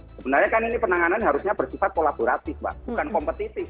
sebenarnya kan ini penanganan harusnya bersifat kolaboratif mbak bukan kompetitif